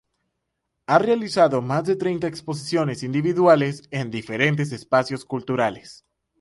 Ha realizado más de treinta exposiciones individuales en diferentes espacios culturales.